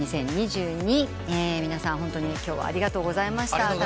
皆さんホントに今日はありがとうございました。